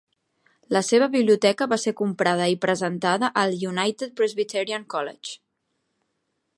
La seva biblioteca va ser comprada i presentada al United Presbyterian College.